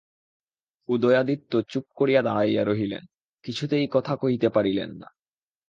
উদয়াদিত্য চুপ করিয়া দাঁড়াইয়া রহিলেন, কিছুতেই কথা কহিতে পারিলেন না।